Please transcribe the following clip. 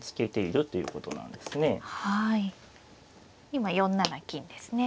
今４七金ですね。